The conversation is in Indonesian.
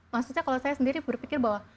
maksudnya kalau saya sendiri berpikir bahwa